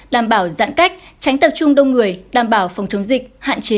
đảm bảo giãn cách tránh tập trung đông người đảm bảo phòng chống dịch hạn chế tối đa hao phí vaccine